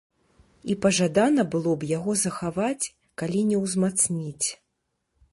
І пажадана было б яго захаваць, калі не ўзмацніць.